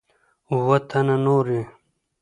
اووه تنه نور یې